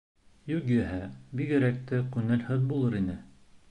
Юғиһә, бигерәк тә күңелһеҙ булыр ине.